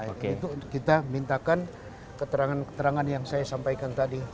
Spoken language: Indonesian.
itu kita mintakan keterangan keterangan yang saya sampaikan tadi